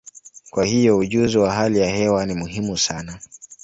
Kwa hiyo, ujuzi wa hali ya hewa ni muhimu sana.